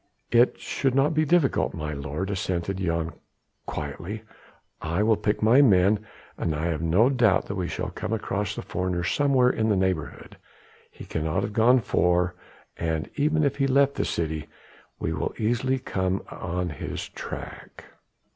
"It should not be difficult, my lord," assented Jan quietly. "I will pick my men, and I have no doubt that we shall come across the foreigner somewhere in the neighbourhood. He cannot have gone far, and even if he left the city we will easily come on his track."